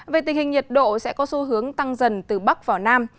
về tình hình nhiệt độ sẽ có xu hướng tăng dần từ bắc vào nam